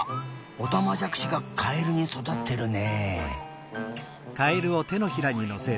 オタマジャクシがカエルにそだってるね。